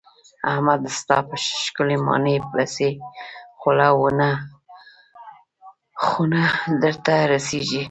احمد ستا په ښکلې ماڼۍ پسې خوله ووته خو نه درته رسېږي.